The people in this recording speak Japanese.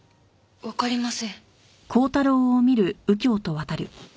わかりません。